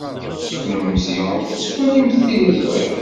Kennemti ur tettwalimt tiliẓri.